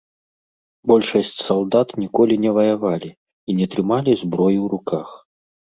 Большасць салдат ніколі не ваявалі і не трымалі зброі ў руках.